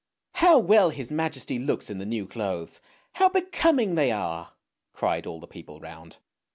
" How well his majesty looks in the new clothes! How becoming they are!" cried all the people round.